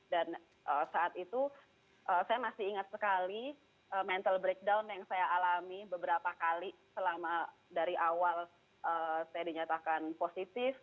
dan saat itu saya masih ingat sekali mental breakdown yang saya alami beberapa kali selama dari awal saya dinyatakan positif